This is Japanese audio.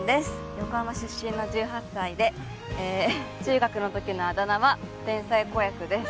横浜出身の１８歳でえ中学の時のあだ名は天才子役です